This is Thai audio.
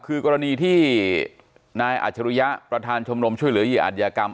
คือกรณีที่นายอัจฉริยะประธานชมรมช่วยเหลือเหยื่ออัธยากรรม